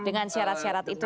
dengan syarat syarat itu